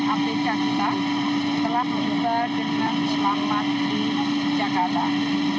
abdekat kita telah berubah dengan